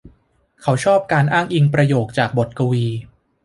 เขาชอบการอ้างอิงประโยคจากบทกวี